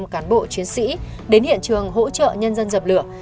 một mươi năm cán bộ chiến sĩ đến hiện trường hỗ trợ nhân dân dập lửa